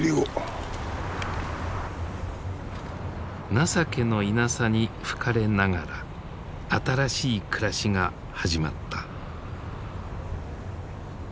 情けのイナサに吹かれながら新しい暮らしが始まった。